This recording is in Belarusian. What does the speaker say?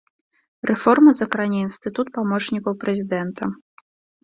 Рэформа закране інстытут памочнікаў прэзідэнта.